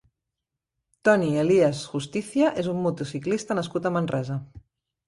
Toni Elías Justicia és un motociclista nascut a Manresa.